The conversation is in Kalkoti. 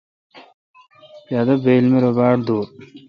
پادہ بایل می رو باڑ دور۔